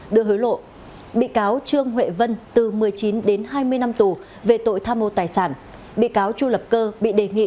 đưa hối lộ bị cáo trương huệ vân từ một mươi chín đến hai mươi năm tù về tội tham mô tài sản bị cáo chu lập cơ bị đề nghị